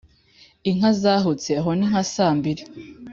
inka zahutse (aho ni nka saa mbiri)